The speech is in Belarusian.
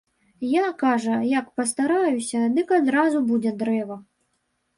Я, кажа, як пастараюся, дык адразу будзе дрэва.